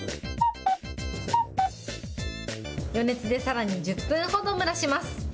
余熱でさらに１０分ほど蒸らします。